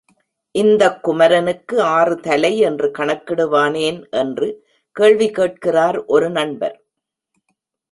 இந்தக் குமரனுக்கு ஆறு தலை என்று கணக்கிடுவானேன் என்று கேள்வி கேட்கிறார், ஒரு நண்பர்.